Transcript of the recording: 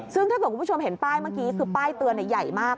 ซึ่งถ้าเกิดคุณผู้ชมเห็นป้ายเมื่อกี้คือป้ายเตือนใหญ่มาก